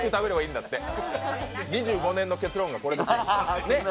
２５年の結論がこれですよ。